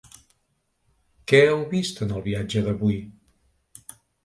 Què heu vist en el viatge d’avui?